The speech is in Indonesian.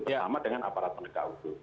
bersama dengan aparat penegak hukum